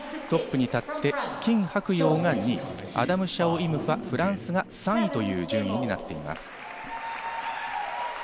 トップに立ってキン・ハクヨウが２位、アダム・シャオ・イム・ファ、フランスが３位という順位になっています。